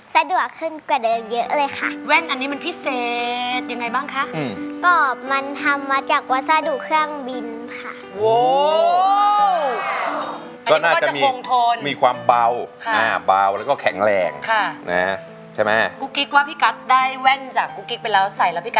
สะดวกขึ้นกว่าเดิมเยอะเลยค่ะ